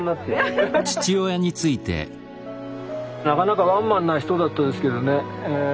なかなかワンマンな人だったですけどね